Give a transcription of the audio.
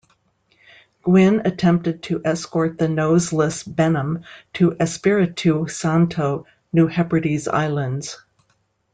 "Gwin" attempted to escort the nose-less "Benham" to Espiritu Santo, New Hebrides Islands.